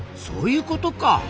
そういうことか。